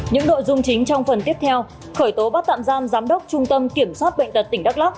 những nội dung chính trong phần tiếp theo khởi tố bắt tạm giam giám đốc trung tâm kiểm soát bệnh tật tỉnh đắk lắc